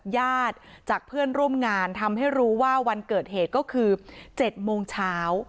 ญาติจากเพื่อนร่วมงานทำให้รู้ว่าวันเกิดเหตุก็คือ๗โมงเช้า